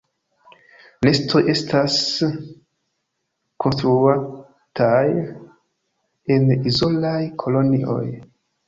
Nestoj estas konstruataj en izolaj kolonioj.